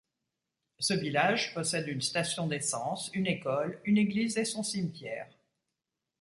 Ce village possède une station d'essence, une école, une église et son cimetière.